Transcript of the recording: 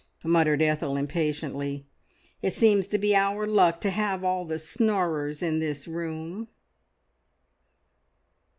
muttered Ethel impatiently. "It seems to be our luck to have all the snorers in this room."